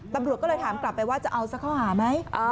ตำรวจก็เลยถามกลับไปว่าจะเอาสักข้อหาไหม